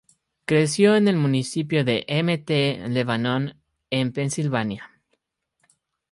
Creció en el Municipio de Mt. Lebanon, en Pensilvania.